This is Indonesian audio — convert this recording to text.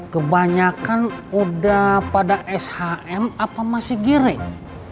kebanyakan udah pada shm apa masih giring